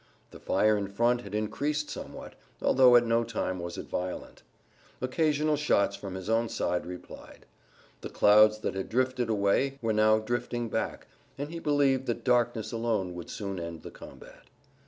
The fire in front had increased somewhat, although at no time was it violent. Occasional shots from his own side replied. The clouds that had drifted away were now drifting back, and he believed that darkness alone would soon end the combat.